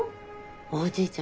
おじいちゃん